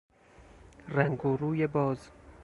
رنگ و روی باز